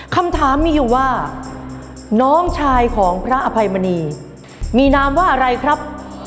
คำถามมีอยู่ว่าน้องชายของพระอภัยมณีมีนามว่าอะไรครับ